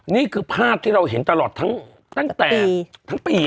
นี่คือภาพที่เราเห็นตลอดตั้งแต่ทั้งปี